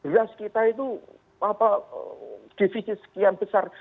beras kita itu defisit sekian besar